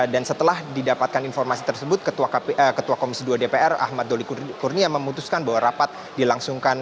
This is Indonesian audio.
dan setelah didapatkan informasi tersebut ketua komisi dua dpr ahmad doli kurnia memutuskan bahwa rapat dilangsungkan